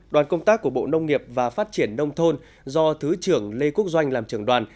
đoàn công tác của bộ nông nghiệp và phát triển nông thôn do thứ trưởng lê quốc doanh làm trưởng đoàn